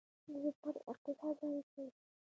د سپورت اقتصاد وده کوي